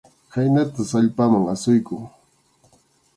Khaynatas allpaman asuykun.